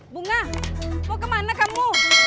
bunga mau kemana kamu